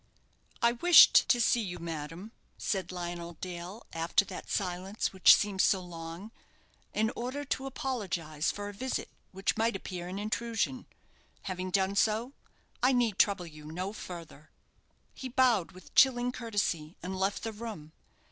"I wished to see you, madam," said Lionel Dale, after that silence which seemed so long, "in order to apologize for a visit which might appear an intrusion. Having done so, I need trouble you no further." He bowed with chilling courtesy, and left the room.